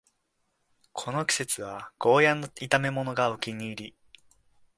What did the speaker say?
この季節はゴーヤの炒めものがお気に入り